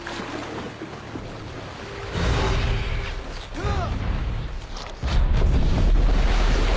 あっ！